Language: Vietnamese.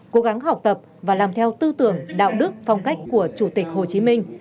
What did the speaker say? cố gắng học tập và làm theo tư tưởng đạo đức phong cách của chủ tịch hồ chí minh